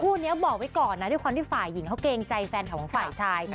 นี้บอกไว้ก่อนนะด้วยความที่ฝ่ายหญิงเขาเกรงใจแฟนแถวของฝ่ายชาย